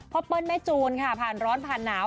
เปิ้ลแม่จูนค่ะผ่านร้อนผ่านหนาว